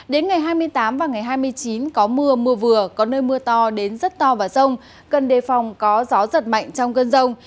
đến ngày hai mươi tám và ngày hai mươi chín có mưa mưa vừa có nơi mưa to đến rất to và rông cần đề phòng có gió giật mạnh trong cơn rông